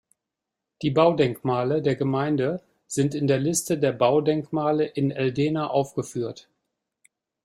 Die Baudenkmale der Gemeinde sind in der Liste der Baudenkmale in Eldena aufgeführt.